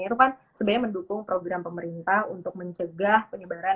itu kan sebenarnya mendukung program pemerintah untuk mencegah penyebaran